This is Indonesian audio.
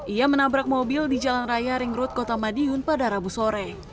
ia menabrak mobil di jalan raya ring road kota madiun pada rabu sore